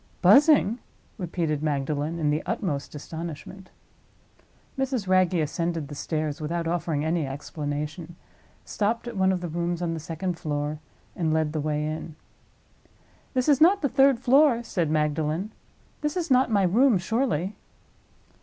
"Buzzing?" repeated Magdalen, in the utmost astonishment. Mrs. Wragge ascended the stairs, without offering any explanation, stopped at one of the rooms on the second floor, and led the way in. "This is not the third floor," said Magdalen. "This is not my room, surely?"